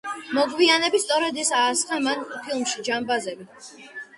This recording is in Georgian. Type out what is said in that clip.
მოგვიანებით სწორედ ეს ასახა მან ფილმში „ჯამბაზები“.